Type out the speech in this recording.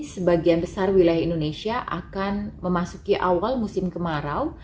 sebagian besar wilayah indonesia akan memasuki awal musim kemarau